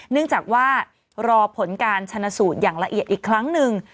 เนื่องจากว่ารอผลการชนะสูตรอย่างละเอียดอีกครั้งหนึ่ง